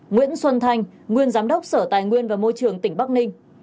nguyễn xuân thanh nguyên giám đốc sở tài nguyên và môi trường tỉnh bắc ninh